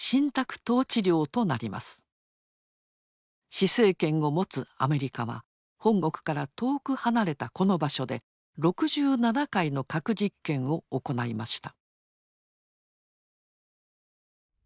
施政権を持つアメリカは本国から遠く離れたこの場所で６７回の核実験を行いました。